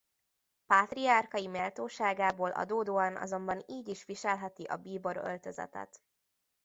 Pátriárkai méltóságából adódóan azonban így is viselheti a bíbor öltözetet.